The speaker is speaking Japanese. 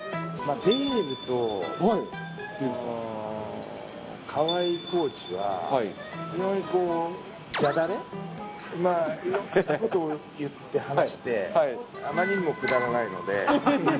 デーブと川相コーチは、非常にこう、ダジャレ、いろんなことを言って話して、あまりにもくだらないので。